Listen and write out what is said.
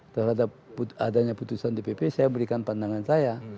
terhadap adanya putusan dpp saya berikan pandangan saya